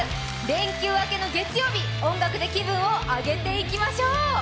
連休明けの月曜日、音楽で気分を上げていきましょう！